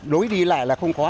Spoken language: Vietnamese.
đối đi lại là không khó